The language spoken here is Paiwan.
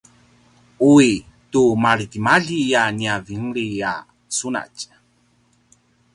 uwi tu maretimalji a nia vineli a sunatj